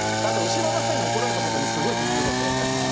あと後ろの人に怒られたことにすごい傷ついてて。